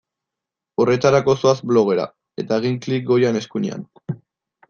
Horretarako zoaz blogera eta egin klik goian eskuinean.